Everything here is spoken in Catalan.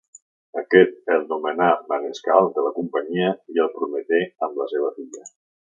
Aquest el nomenà manescal de la Companyia i el prometé amb la seva filla.